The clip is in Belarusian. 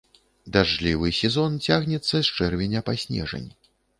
Дажджлівы сезон цягнецца з чэрвеня па снежань.